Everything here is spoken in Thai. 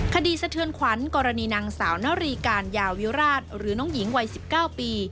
สะเทือนขวัญกรณีนางสาวนรีการยาวิราชหรือน้องหญิงวัย๑๙ปี